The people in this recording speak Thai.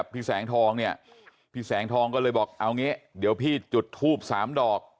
พี่แสงทองเนี่ยพี่แสงทองก็เลยบอกเอางี้เดี๋ยวพี่จุดทูบ๓ดอก